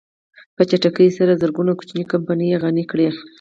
په چټکۍ سره زرګونه کوچنۍ کمپنۍ يې غني کړې.